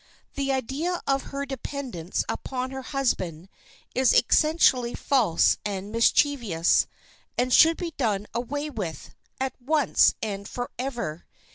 The idea of her dependence upon her husband is essentially false and mischievous, and should be done away with, at once and forever.